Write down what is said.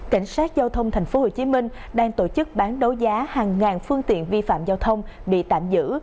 cảnh sát giao thông thành phố hồ chí minh đang tổ chức bán đấu giá hàng ngàn phương tiện vi phạm giao thông bị tạm giữ